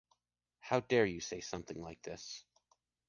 How dare you say something like this?